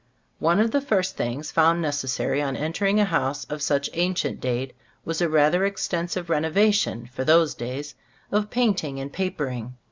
One of the first things found necessary on entering a house of such ancient date, was a rather extensive renovation, for those days, of painting and papering.